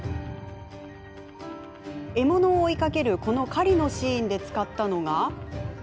獲物を追いかけるこの狩りのシーンで使ったのが。